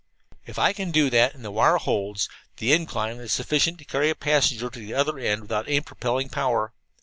"If I can do that, and the wire holds, the incline is sufficient to carry a passenger to the other mountain without any propelling power.